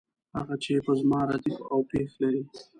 هغه چې په زما ردیف او پیښ لري.